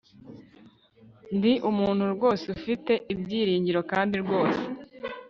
ndi umuntu rwose, ufite ibyiringiro kandi rwose